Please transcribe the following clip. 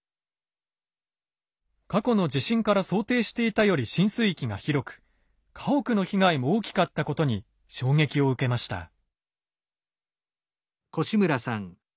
過去の地震から想定していたより浸水域が広く家屋の被害も大きかったことに衝撃を受けました。